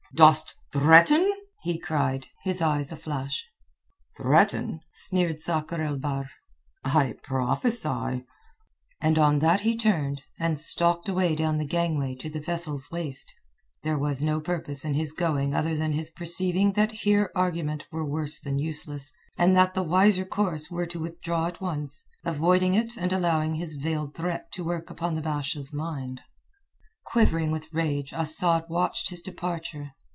"Dost threaten?" he cried, his eyes aflash. "Threaten?" sneered Sakr el Bahr. "I prophesy." And on that he turned, and stalked away down the gangway to the vessel's waist. There was no purpose in his going other than his perceiving that here argument were worse than useless, and that the wiser course were to withdraw at once, avoiding it and allowing his veiled threat to work upon the Basha's mind. Quivering with rage Asad watched his departure.